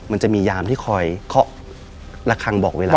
มันจะมียามที่คอยเคาะระคังบอกเวลา